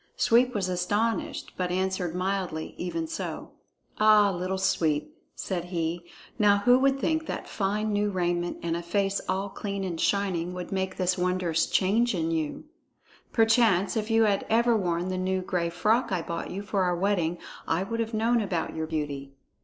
Sweep was astonished, but answered mildly, even so. "Ah, Little Sweep," said he, "now who would think that fine new raiment and a face all clean and shining would make this wondrous change in you? But perchance, if you had ever worn the new gray frock I bought you for our wedding, I would have known about your beauty."